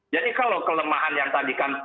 jadi kalau kelemahan yang tadi kan